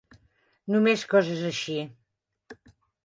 Només coses així.